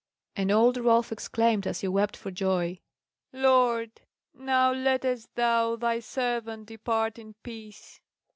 And old Rolf exclaimed, as he wept for joy, "Lord, now lettest Thou Thy servant depart in peace."